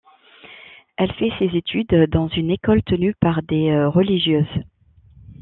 Elle fait ses études dans une école tenues par des religieuses.